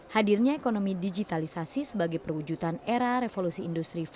hadirnya ekonomi digitalisasi sebagai perwujudan era revolusi industri empat